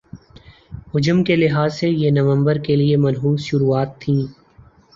حجم کے لحاظ سے یہ نومبر کے لیے منحوس شروعات تھِی